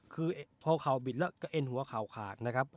คือพอเข่าบิดแล้วก็เอ็นหัวเข่าขาดนะครับ